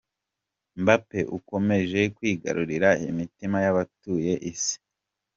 Mbape ukomeje kwigarurira imitima y’abatuye isi.